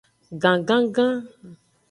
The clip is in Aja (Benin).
Gangangan.